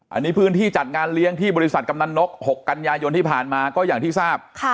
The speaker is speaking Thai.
อันนี้พื้นที่จัดงานเลี้ยงที่บริษัทกำนันนก๖กันยายนที่ผ่านมาก็อย่างที่ทราบ